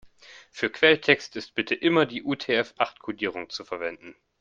Für Quelltext ist bitte immer die UTF-acht-Kodierung zu verwenden.